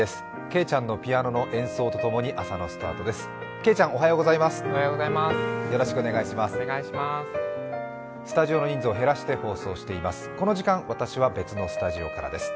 けいちゃんのピアノの演奏とともに朝のスタートです。